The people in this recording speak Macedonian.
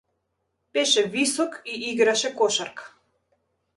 Беше висок и играше кошарка.